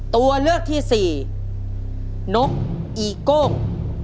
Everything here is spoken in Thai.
ตัวเลือกที่สี่นกอีโก้ง